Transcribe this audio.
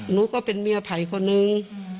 หนูก็เป็นเมียไผ่คนนึง